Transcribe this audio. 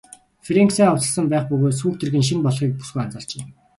Фрэнк сайн хувцасласан байх бөгөөд сүйх тэрэг нь шинэ болохыг бүсгүй анзаарчээ.